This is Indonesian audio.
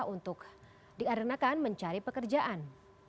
untuk diarenakan mencari pekerjaan